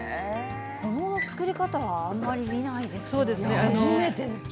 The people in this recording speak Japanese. この作り方はあまり見ないですね。